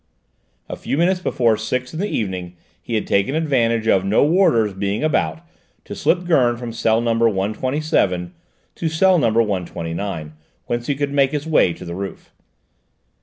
A few minutes before six in the evening he had taken advantage of no warders being about to slip Gurn from cell number 127 into number 129, whence he could make his way to the roof.